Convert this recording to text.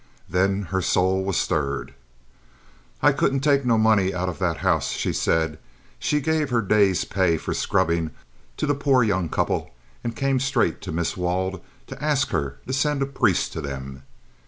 Then her soul was stirred. "I couldn't take no money out of that house," she said. She gave her day's pay for scrubbing to the poor young couple and came straight to Miss Wald to ask her to send a priest to them.